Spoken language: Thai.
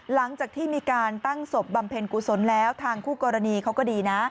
หลังจากที่มีการตั้งศพบำเพ็ญกุศลแล้วทางคู่กรณีเขาก็ดีนะ